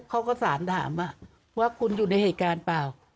เขาก็สารถามว่าคุณอยู่ในเหตุการณ์เปล่า